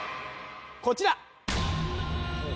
こちら！